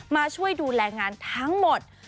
มาช่วยดูแลงานทั้งหมด